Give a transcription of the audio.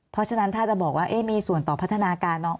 เพราะฉะนั้นถ้าจะบอกว่ามีส่วนต่อพัฒนาการน้อง